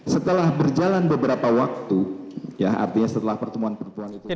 setelah berjalan beberapa waktu artinya setelah pertemuan perpuan itu